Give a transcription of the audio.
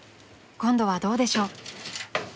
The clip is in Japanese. ［今度はどうでしょう？］